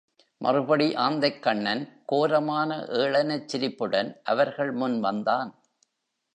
மறுபடி ஆந்தைக்கண்ணன் கோரமான ஏளனச்சிரிப்புடன் அவர்கள் முன் வந்தான்.